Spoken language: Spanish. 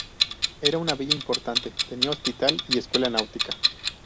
Era una villa importante, tenía hospital y escuela náutica.